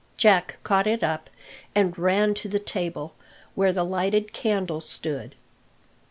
Jack caught it up and ran to the table, where the lighted candle stood.